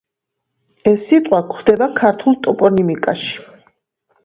ეს სიტყვა გვხვდება ქართულ ტოპონიმიკაში.